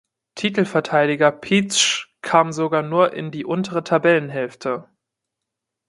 Titelverteidiger Pietzsch kam sogar nur in die untere Tabellenhälfte.